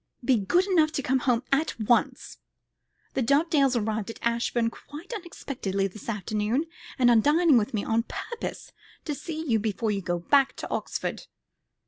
Be good enough to come home at once. The Dovedales arrived at Ashbourne quite unexpectedly this afternoon, and are dining with me on purpose to see you before you go back to Oxford.